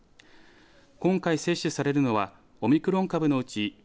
今回接種されるのはオミクロン株のうちＢＡ．